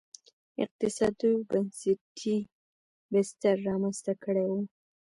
اقتصادي او بنسټي بستر رامنځته کړی و.